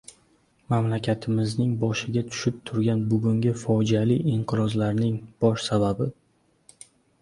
Mamlakatimizning boshiga tushib turgan bugungi fojiali inqirozlarning bosh sababi